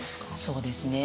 そうですね。